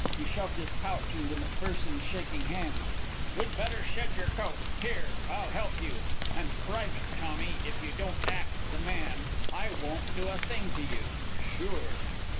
He shoved his pouch into McPherson's shaking hands. "You'd better shed your coat. Here! I'll help you. And private, Tommy, if you don't act the man, I won't do a thing to you. Sure."